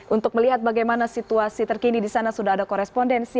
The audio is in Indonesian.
untuk melihat bagaimana situasi terkini disana sudah ada korespondensi